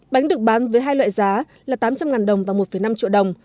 bánh được bán với hai loại giá là tám trăm linh đồng và một năm triệu đồng